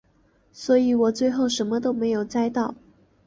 所以我最后什么都没有摘到